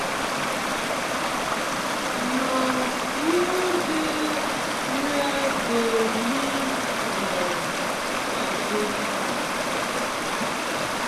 Na yu dey wey dey live for ajegunle.